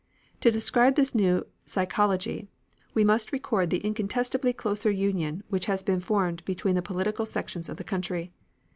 To describe this new psychology we must record the incontestably closer union which has been formed between the political sections of the country.